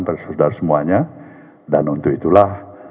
kepada saudara semuanya dan untuk itulah